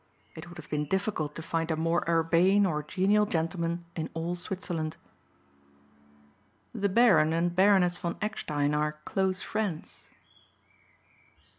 It would have been difficult to find a more urbane or genial gentleman in all Switzerland. "The Baron and Baroness von Eckstein are close friends."